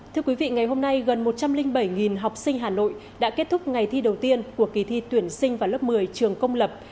thưa quý vị ngày hôm nay gần một trăm linh bảy học sinh hà nội đã kết thúc ngày thi đầu tiên của kỳ thi tuyển sinh vào lớp một mươi trường công lập